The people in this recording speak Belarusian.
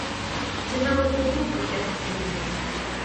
Дзе нават і ў думках яны не былі.